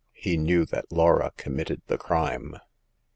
He knew that Laura committed the crime."